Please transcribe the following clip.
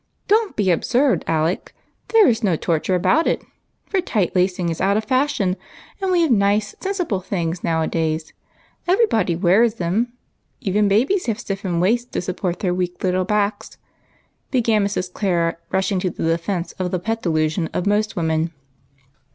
"Don't be absurd, Alec. There is no torture about it, for tight lacing is out of fasliion, and we have nice, sensible things nowadays. Every one wears them ; even babies have stiffened waists to support their weak little backs," began Mrs. Clara, rushing to the defence of the pet delusion of most women.